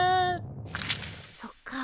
そっか。